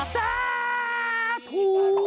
สาธุ